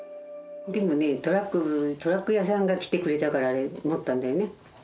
でもね、トラック屋さんが来てくれたから、もったんでね。